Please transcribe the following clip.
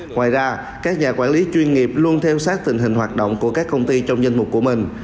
ngoài ra các nhà quản lý chuyên nghiệp luôn theo sát tình hình hoạt động của các công ty trong danh mục của mình